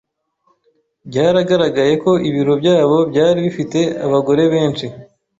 Byaragaragaye ko ibiro byabo byari bifite abagore benshi.